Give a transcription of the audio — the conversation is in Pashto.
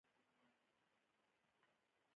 کبان اروپا ته صادرېدل.